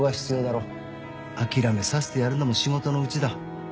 諦めさせてやるのも仕事のうちだ。